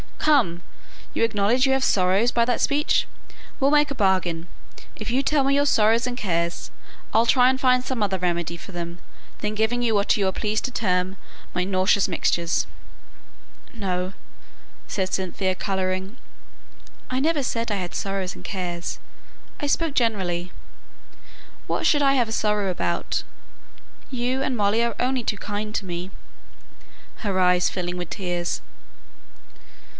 "Come! you acknowledge you have 'sorrows' by that speech: we'll make a bargain: if you'll tell me your sorrows and cares, I'll try and find some other remedy for them than giving you what you are pleased to term my nauseous mixtures." "No," said Cynthia, colouring; "I never said I had sorrows and cares; I spoke generally. What should I have a sorrow about? you and Molly are only too kind to me," her eyes filling with tears.